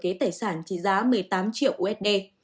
bà đã kết tài sản trí giá một mươi tám triệu usd